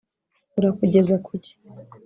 urakugeza kuki